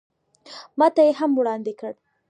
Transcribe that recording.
ماته یې هم وړاندې کړ.